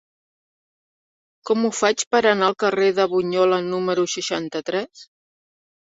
Com ho faig per anar al carrer de Bunyola número seixanta-tres?